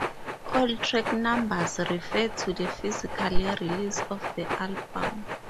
All track numbers refer to the physical release of the album.